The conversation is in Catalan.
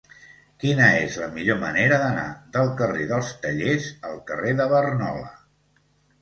Quina és la millor manera d'anar del carrer dels Tallers al carrer de Barnola?